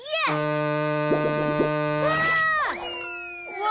うわ。